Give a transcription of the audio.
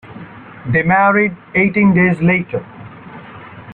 They married eighteen days later.